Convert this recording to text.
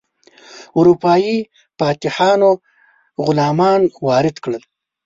اروپایي فاتحانو غلامان وارد کړل.